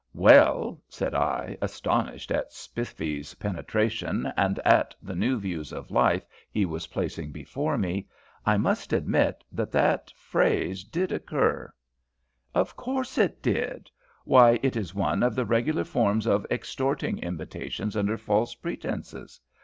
"Well," said I, astonished at Spiffy's penetration, and at the new views of life he was placing before me, "I must admit that that phrase did occur." "Of course it did; why, it is one of the regular forms of 'extorting invitations under false pretences.'